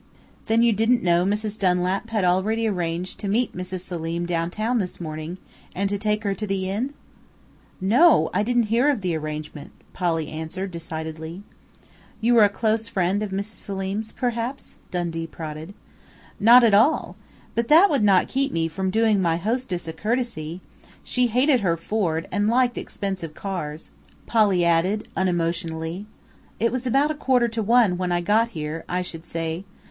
"Then you didn't know that Mrs. Dunlap had already arranged to meet Mrs. Selim downtown this morning and to take her to the Inn?" Dundee asked. "No! I didn't hear of the arrangement," Polly answered decidedly. "You were a close friend of Mrs. Selim's perhaps?" Dundee prodded. "Not at all! But that would not keep me from doing my hostess a courtesy.... She hated her Ford and liked expensive cars," Polly added unemotionally. "It was about a quarter to one when I got here, I should say.